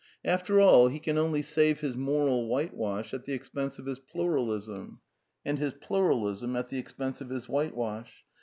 After all, he can only save his | moral whitewash at the expense of his Pluralism, and his (^ Pluralism at the expense of his whitewash.